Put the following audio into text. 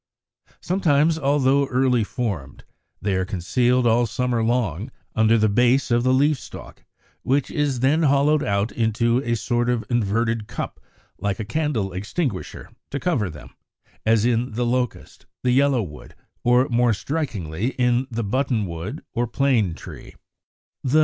Sometimes, although early formed, they are concealed all summer long under the base of the leaf stalk, which is then hollowed out into a sort of inverted cup, like a candle extinguisher, to cover them; as in the Locust, the Yellow wood, or more strikingly in the Button wood or Plane tree (Fig.